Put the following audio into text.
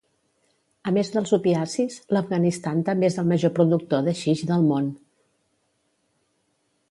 A més dels opiacis, l'Afganistan també és el major productor d'haixix del món.